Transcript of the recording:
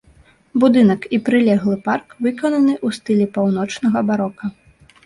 Будынак і прылеглы парк выкананы ў стылі паўночнага барока.